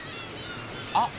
あっ！